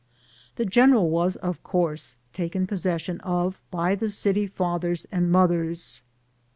The general was, of course, taken pos session of by the city fathers and mothers.